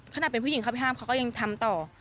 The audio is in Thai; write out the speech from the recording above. ขนาดเป็นผู้หญิงเข้าไปห้ามเขาก็ยังทำต่อ